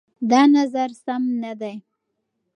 دا نظر سم نه دی.